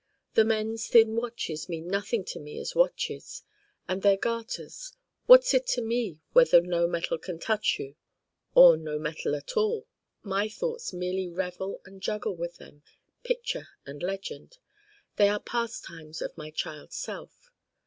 The men's thin Watches mean nothing to me as Watches: and their Garters what's it to me whether no metal can touch you or no metal at all? My thoughts merely revel and juggle with them, picture and legend they are pastimes of my child self.